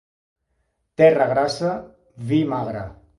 Terra grassa, vi magre.